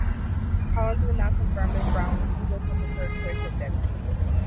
Collins would not confirm if Brownlee was her preferred choice for deputy.